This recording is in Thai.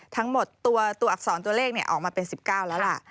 ทั้งหมดตัวอักษรตัวเลขออกมาเป็น๑๙แล้วล่ะ